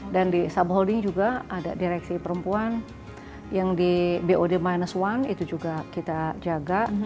dan di subholding juga ada direksi perempuan yang di bod minus one itu juga kita jaga